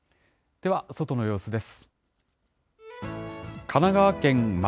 では、外の様子です。